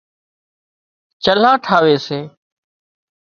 چلها ٺاوي سي